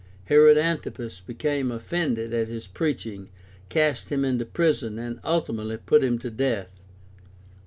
Herod Antipas became offended at his preaching, cast him into prison, and ultimately put him to death.